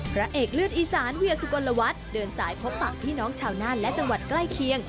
พระเอกเลือดอีสานเวียสุกลวัฒน์เดินสายพบปะพี่น้องชาวน่านและจังหวัดใกล้เคียง